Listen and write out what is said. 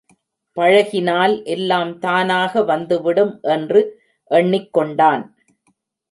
பழகினால் எல்லாம் தானாக வந்துவிடும் என்று எண்ணிக் கொண்டான்.